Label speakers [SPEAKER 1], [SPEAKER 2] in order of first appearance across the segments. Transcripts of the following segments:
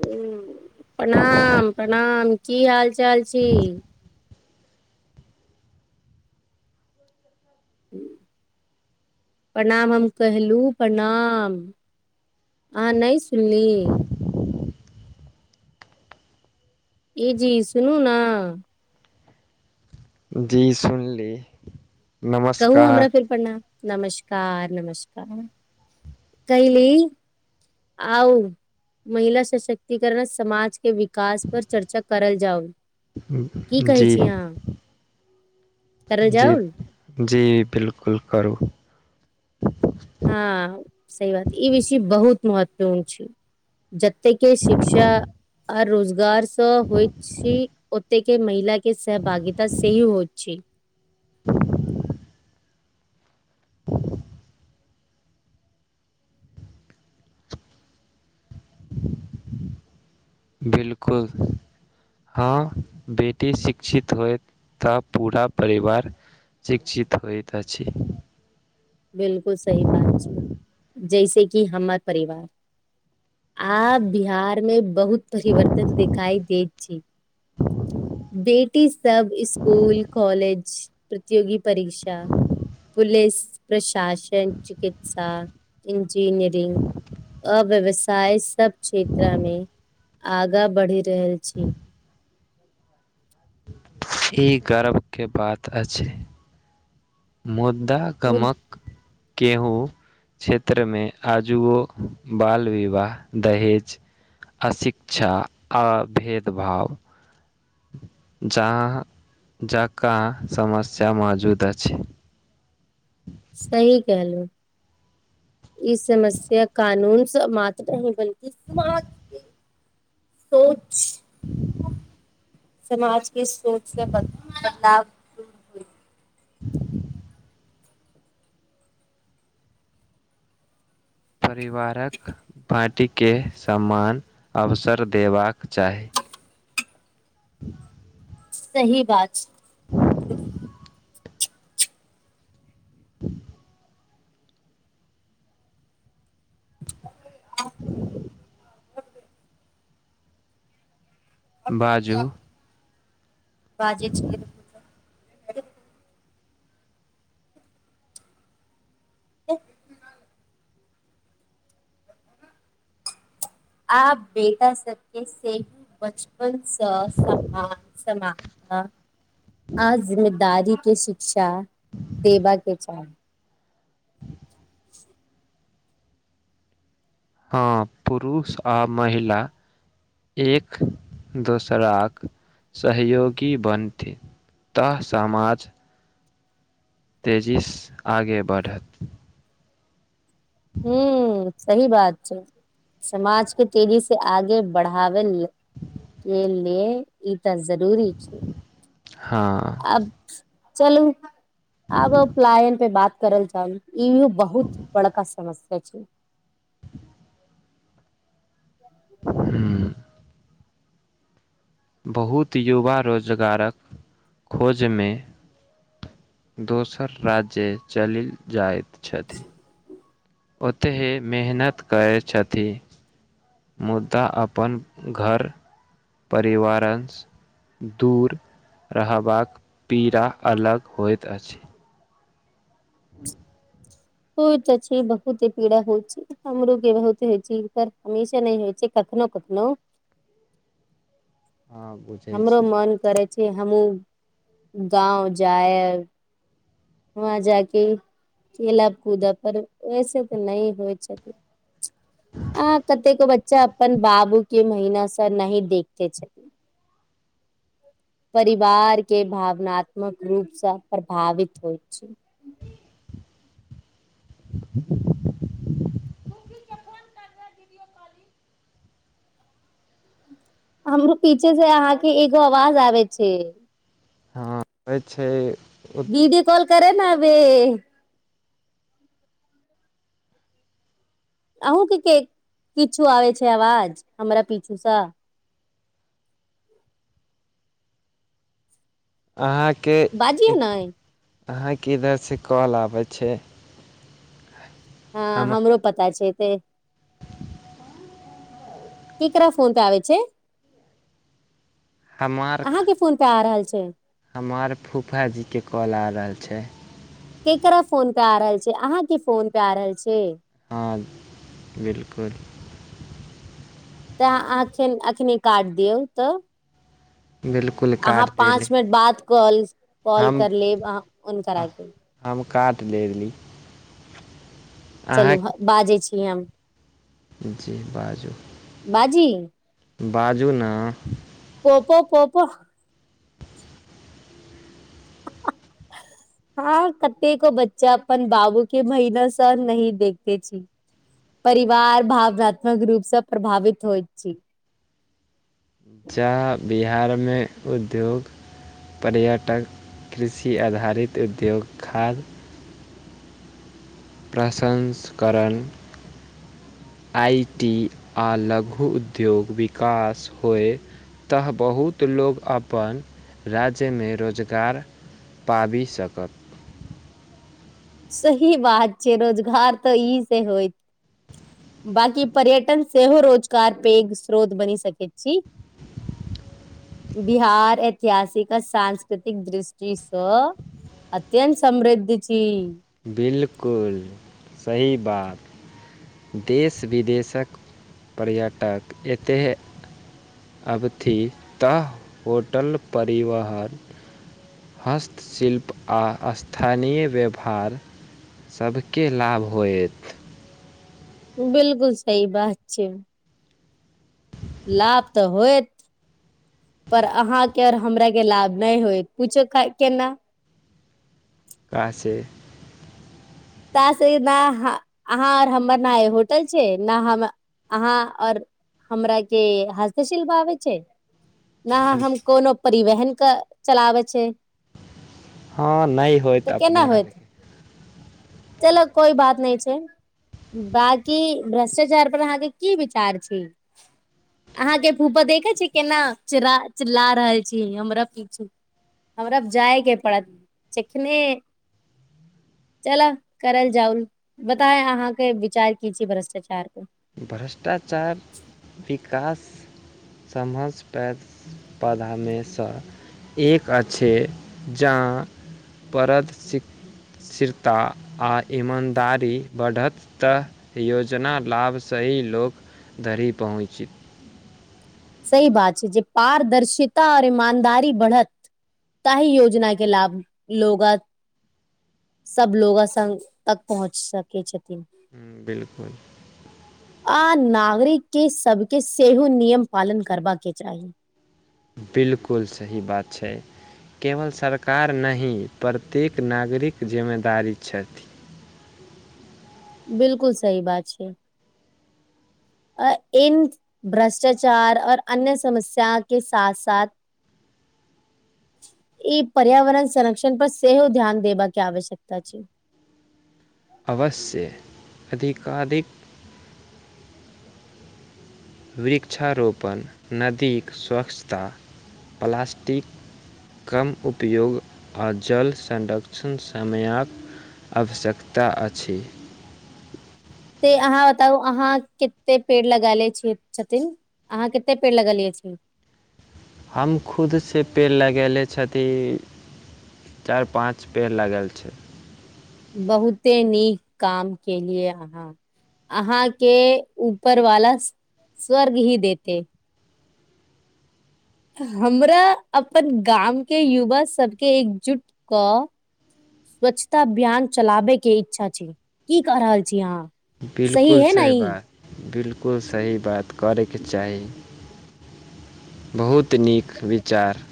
[SPEAKER 1] हुं, प्रणाम! प्रणाम! की हाल चाल छी। प्रणाम हम कहलु, प्रणाम। अहां नै सुनली? ए जी सुनू नै
[SPEAKER 2] जी सुनली।
[SPEAKER 1] कहू हमरा
[SPEAKER 2] नमस्कार
[SPEAKER 1] फिर प्रणाम! नमस्कार! नमस्कार। कहिली आउ महिला सशक्तिकरण समाज के विकास पर, चर्चा करल जाउ। की कहै
[SPEAKER 2] जी।
[SPEAKER 1] छी अहाँ करल
[SPEAKER 2] जी
[SPEAKER 1] जाउ।
[SPEAKER 2] जी 'बिल्कुल' करू।
[SPEAKER 1] हां, सही बात! ई विषय बहुत महत्वपूर्ण छै। जते के शिक्षा और रोजगार स होत छी, ओतेके महिलााक के सहभागिता सेही होत छै।
[SPEAKER 2] बिल्कुल। हां बेटी शिक्षित होय तऽ, पूरा परिवार शिक्षित होएत अछि।
[SPEAKER 1] बिल्कुल सही बात छै, जैसे कि हमर परिवार आब बिहारमे, बहुत परिवर्तन दिखाई दैत छै। बेटी सब, स्कूल, कॉलेज, प्रतियोगी परीक्षा पुलिस प्रशासन, चिकित्सा, इंजीनियरिंग अ व्यवसाय, सब क्षेत्रामे, आगा बढ़ि रहल छी।
[SPEAKER 2] ई गर्व के बात अछि। मुद्दा कमक केहूँ क्षेत्रमे आजुओ, बाल विवाह, दहेज अशिक्षा, आ भेदभाव जहां जकाँ समस्या मौजूद अछि।
[SPEAKER 1] सही कहलु। ई समस्या कानून से मात्र नहि बल्कि समाज सोच समाजके सोच से बदलाव दूर होय
[SPEAKER 2] परिवारक बाँटि के समान अवसर देबाक चाही। [inaudible]
[SPEAKER 1] सही बात छै। [unintelligible]
[SPEAKER 2] [inaudible]
[SPEAKER 1] [inaudible]
[SPEAKER 2] [inaudible] [inaudible] बाजू
[SPEAKER 1] बाजे छीयै। [unintelligible] [unintelligible] आब बेटा सबके [unintelligible] बचपन स समान समा हँ आ जिम्मेदारी के शिक्षा देबाके चाही।
[SPEAKER 2] हँ पुरुष आ महिला एक दोसराक सहयोगी बनथी। त समाज तेजीस आगे बढ़त
[SPEAKER 1] हुं। सही बात छै, समाजके तेजी से आगे बढ़ाबै ले के ले ई त जरूरी छै। [inaudible]
[SPEAKER 2] हाँ,
[SPEAKER 1] आब चलू [inaudible] आबो प्लायन पे बात करल जाउ, इहो बहुत बड़का स समस्या छै।
[SPEAKER 2] [inaudible] हुं। बहुत युवा रोजगारक [inaudible] खोजमे [inaudible] [inaudible] दोसर राज्ये चलिल जाइत छथि। ओतेहे मेहनत करै छथी। मुद्दा अपन घर परिवारंस दूर [inaudible] रहबाक [inaudible] पीड़ा अलग होइत अछि। [inaudible]
[SPEAKER 1] होय त छै बहुते पीड़ा होइ छै, हमरो बेहुते होइ छै पर हमेशा नै होइ छै कख नो कखनो
[SPEAKER 2] हँ बुझै
[SPEAKER 1] हमरो
[SPEAKER 2] छी
[SPEAKER 1] मन करै छै हमहुं [inaudible] गाँव जाएल [inaudible] [inaudible] हुंआ जाके खेलब कूदब पर ऐसे त नै होइ छथिन। [unintelligible] अहांँ कतेक बच बच्चा अपन बाबू के महीना से नहीं देखते छथि। परिवारके भावनात्मक रूप सं प्रभावित होइत छै।
[SPEAKER 2] [inaudible]
[SPEAKER 1] हमरो पीछे से अहाँके एगो आवाज आबे छे।
[SPEAKER 2] हां होैय छै
[SPEAKER 1] [unintelligible] अहुंके केक किछो आबै छै आवाज हमरा पीछू सं?
[SPEAKER 2] अहाँ के
[SPEAKER 1] बाजियौ नय
[SPEAKER 2] अहाँ के इधर से कॉल आबै छै।
[SPEAKER 1] हां
[SPEAKER 2] हम
[SPEAKER 1] हमरो पता छै एते
[SPEAKER 2] [inaudible]
[SPEAKER 1] केकरा फोन पे आबे छै, अहां के फोन पे आ रहल छै।
[SPEAKER 2] हमर फुफाजीके कॉल आ रहल छै।
[SPEAKER 1] केकरा फोन पे आ रहल छै, अहाँ के फोन पे आ रहल छै।
[SPEAKER 2] हां बिल्कुल।
[SPEAKER 1] तऽ एखन अखनी काट दियौ तऽ
[SPEAKER 2] बिलकुल
[SPEAKER 1] अहाँ
[SPEAKER 2] काट देली
[SPEAKER 1] पाँच मिनट बाद कॉल‌ स कॉल
[SPEAKER 2] हम
[SPEAKER 1] कर लेब, अहाँ फोन करा के
[SPEAKER 2] हम काट देली। अहाँ
[SPEAKER 1] चलू बाजै छी हम।
[SPEAKER 2] जी बाजू।
[SPEAKER 1] बाजी
[SPEAKER 2] बाजू नै।
[SPEAKER 1] पोको पोको [inaudible] हां कतेको बच्चा अपन बाबू के महिनासँ नही देखते छै। परिवार भावनात्मक रूपसे प्रभावित होइत छी।
[SPEAKER 2] जहां बिहारमे उद्योग पर्यटक, कृषि आधारित, उद्योग खाद्य प्रशंसकरण आई टी, आ लघु उद्योग, विकास होय तऽ बहुत लोक, अपन राज्यमे रोजगार पाबि सकत।
[SPEAKER 1] सही बात छै, रोजगार तऽ ई से होय बाकी पर्यटन सेहो रोजगार पेघ स्रोत बनी सकै छी। बिहार, ऐतिहासिकक, सांस्कृतिक दृष्टि सं अत्यंत समृद्ध छी।
[SPEAKER 2] बिलकुल, सही बात। देश-विदेशक पर्यटक एतहि अबथि त, होटल परिवहन हस्तशिल्प आ स्थानीय व्यवहार सबके लाभ होयत।
[SPEAKER 1] बिलकुल सही बात छै। लाभ त होयत। पर अहांके आर हमरा के लाभ नहि होयत, पुछियौ केना? [inaudible]
[SPEAKER 2] कहै छै।
[SPEAKER 1] त से नहि, अहां और हमर ने इ होटल छै ने हम अहां और हमरा के हस्तशिल्प आबै छै। ने हम, कोनो परिवहन के चलाबै छी।
[SPEAKER 2] हां नहि होएत अपने लागि।
[SPEAKER 1] चलु कोइ बात नहि छै। बाकी भ्रष्टाचार पर अहांके कि विचार छी? अहां के फुफा देखै छी केना, चिरा चिला रहल छी हमरा पिछे। हमरा जायके पड़त, चिखने चलह करल जाउल, बताए अहांके विचार की छी भ्रष्टाचार पर
[SPEAKER 2] कास, समझ पयब पढ़ाने सं एक अछि जहां परद सिक स्थिरता आ ईमानदारी बढ़त त योजना लाभ सही लोक धरि पहुचित
[SPEAKER 1] सही बात छै जे पारदर्शिता और ईमानदारी बढ़त ताहि योजना के लाभ लोगत सब लोग संग तक पहुंच सकै छै।
[SPEAKER 2] बिल्कुल
[SPEAKER 1] आ नागरिक के सबके सेहो नियम पालन करबा के चाही।
[SPEAKER 2] बिलकुल सही बात छै। केवल सरकार नहि, प्रत्येक नागरिक जिम्मेदारी छथि।
[SPEAKER 1] बिलकुल सही बात छै। आ इन भ्रष्टाचार और अन्य समस्या के साथ-साथ ई पर्यावरण संरक्षण पर सेहो ध्यान देबा के आवश्यकता छै।
[SPEAKER 2] अवश्य अधिकाधिक वृक्षारोपण, नदीक स्वच्छता, प्लास्टिक कम उपयोग आ जल संरक्षण समयक आवश्यकता अछि।
[SPEAKER 1] ते अहाॅं बताउ अहाॅं केते पेड़ लगा लय छिय छथिन, अहाॅं केते पेड़ लगेलिये छियै? [inaudible]
[SPEAKER 2] हम खुद से पेड़ लगयले छथि चारि पांच पेड़ लागल छै।
[SPEAKER 1] बहुते नीक काम केलियै अहाॅं। अहां के ऊपरवाला स्वर्ग ही देते हमरा अपन गामके युवा सबके एकजुट कऽ स्वच्छता अभियान चलाबै के इच्छा छै, की कह रहल छी अहां?
[SPEAKER 2] बिलकुल सही बात, बिल कुल सही बात करय के चाही। बहुत नीक विचार,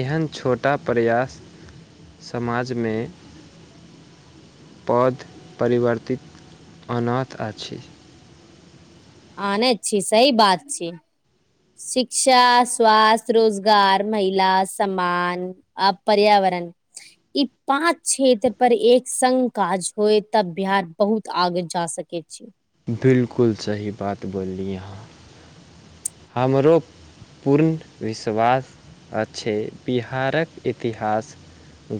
[SPEAKER 2] एहन छोटा प्रयास समाजमे बोहोत परिवर्तित आनात आछि।
[SPEAKER 1] आनैत छी सही बात छी। शिक्षा, स्वास्थय, रोजगार, महिला सम्मान आ पर्या वरण ई पाँच क्षेत्र पर एक संग काज होए तब बिहार बहुत आगू आगे जा सकै छै।
[SPEAKER 2] बिलकुल सही बात बोलली अहाॅं हमरो पूर्ण विश्वास आछै बिहारक इतिहास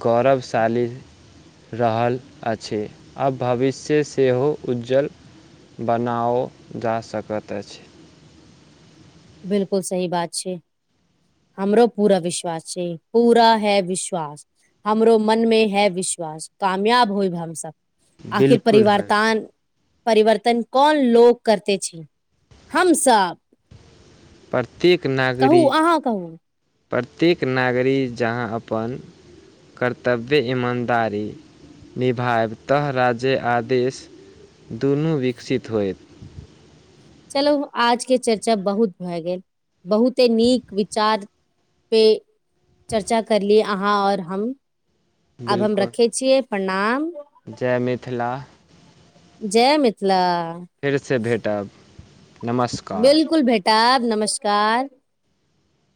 [SPEAKER 2] गौरवशाली रहल अछि आ भविष्य सेहो उज्ज्वल बनाओ जा सकैत अछि।
[SPEAKER 1] बिलकुल सही बात छै। हमरो पूरा विश्वास छै, पूरा है विश्वास। हमरो मनमे है विश्वास कामयाब होइब हम सब। आखिर
[SPEAKER 2] बिल्कुल, है,
[SPEAKER 1] परिवारतान परिवर्तन कोन लोक करते छै हमसब
[SPEAKER 2] प्रत्येक नागरी
[SPEAKER 1] कहू
[SPEAKER 2] प्रत्येक नागरी जहाँ अपन कर्तव्य, ईमानदारी, निभायब तः राज्य आदेश दुनू विकसित होयत।
[SPEAKER 1] चलू आजके चर्चा बहुत भए गेल, बहुते नीक विचार। पे, चर्चा करलिय अहाँ आऔर हम। आब हम
[SPEAKER 2] बिल्कुल।
[SPEAKER 1] रखे छियै, प्रणाम।
[SPEAKER 2] जय मिथिला,
[SPEAKER 1] जय मिथिला
[SPEAKER 2] फेर से भेंट। खिताब।
[SPEAKER 1] 'बिलकुल' भेटब नमस्कार।